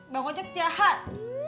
bang ojek jahat